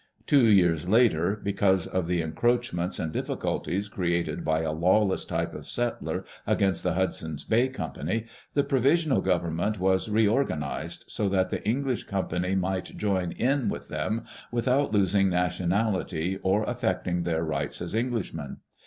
Two years later, because of the encroadmients and difficulties created by a lawless type of settler against the Hudson's Bay Con4>any, die provisional government was re organized so that the English Company might join in with them without losing nationality, or affecting their rights as Englishmen.